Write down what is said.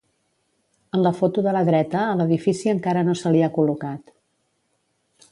En la foto de la dreta a l'edifici encara no se li ha col·locat.